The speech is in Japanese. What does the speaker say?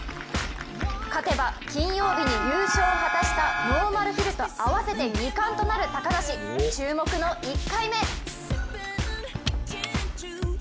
勝てば金曜日に優勝を果たしたノーマルヒルと合わせて２冠となる、高梨、注目の１回目。